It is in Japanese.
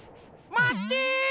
まって！